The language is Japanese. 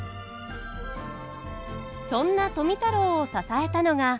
そんな富太郎を支えたのが。